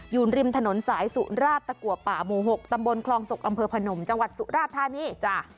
อยู่ริมถนนสายสุราชตะกัวป่าหมู่๖ตำบลคลองศกอำเภอพนมจังหวัดสุราธานีจ้ะ